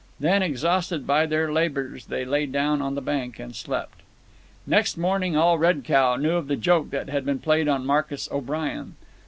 Then, exhausted by their labours, they lay down on the bank and slept. Next morning all Red Cow knew of the joke that had been played on Marcus O'Brien.